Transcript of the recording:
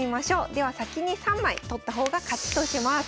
では先に３枚取った方が勝ちとします。